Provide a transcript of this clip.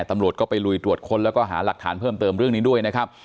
ตำรวจก็ไปลุยตรวจค้นแล้วก็หาหลักฐานเพิ่มเติมเรื่องนี้ด้วยนะครับ